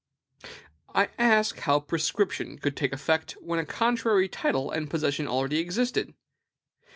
I ask how prescription could take effect where a contrary title and possession already existed?